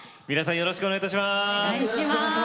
よろしくお願いします。